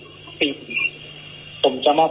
ไม่ได้ศึกษาใครไม่ได้คุยอะไรกับใครทั้งขึ้น